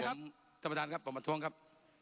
ท่านประธานครับผมประท้วงครับ